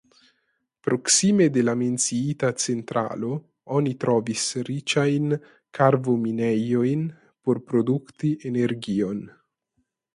Proksime de la menciita centralo oni trovis riĉajn karvominejojn por produkti energion.